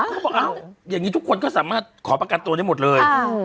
เขาบอกอ้าวอย่างนี้ทุกคนก็สามารถขอประกันตัวได้หมดเลย